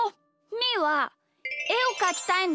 みーはえをかきたいんだ！